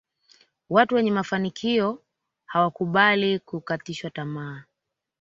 Watu wenye mafanikio hawakubali kukatishwa tamaa